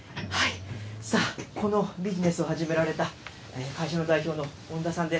さあ、このビジネスを始められた、会社の代表の音田さんです。